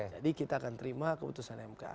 jadi kita akan terima keputusan mk